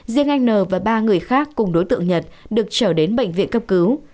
riêng anh n và ba người khác cùng đối tượng nhật được trở đến bệnh viện cấp cứu